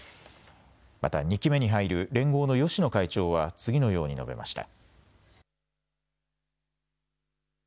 また２期目に入る連合の芳野会長は次のように述べました。